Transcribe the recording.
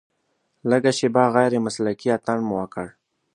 لږه شېبه غیر مسلکي اتڼ مو وکړ.